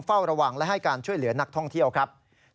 เฝ้าระวังและให้การช่วยเหลือนักท่องเที่ยวครับ